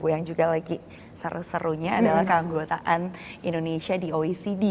yang juga lagi seru serunya adalah keanggotaan indonesia di oecd